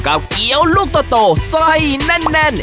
กับเกี๊ยวลูกโตโตซ่อยแน่น